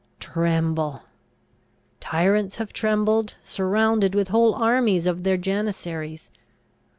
Tremble! Tyrants have trembled, surrounded with whole armies of their Janissaries!